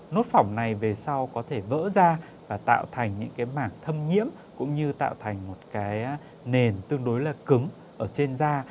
nốt phỏng này về sau có thể vỡ ra và tạo thành những cái mảng thâm nhiễm cũng như tạo thành một cái nền tương đối là cứng ở trên da